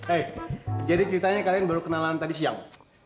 hai jadi ceritanya kalian baru kenalan tadi siang